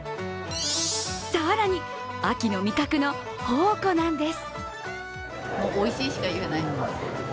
更に、秋の味覚の宝庫なんです。